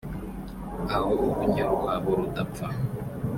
aho urunyo rwabo rudapfa